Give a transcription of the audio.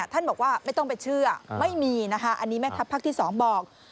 ท่านบอกว่าไม่ต้องไปเชื่อไม่มีนะคะอันนี้แม่ทัพภาคที่๒บอก